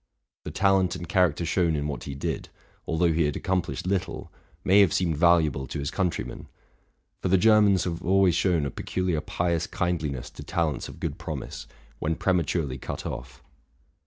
The talent and character shown in what he did, although he had accomplished little, may have seemed valuable to his country men; for the Germans have always shown a peculiar pious kindliness to talents of good promise, when prematurely cut off.